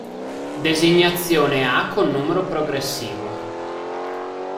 Designazione A con numero progressivo.